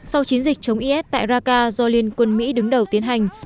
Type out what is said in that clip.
sau chiến dịch chống is tại raka do liên quân mỹ đứng đầu tiến hành